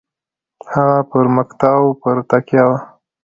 هغه پر متکاوو پر تکیه وه.